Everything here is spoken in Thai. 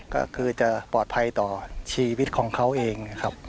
ก็คือจะปลอดภัยต่อชีวิตของเขาเองนะครับ